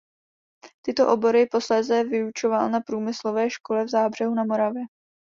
Tyto obory posléze vyučoval na průmyslové škole v Zábřehu na Moravě.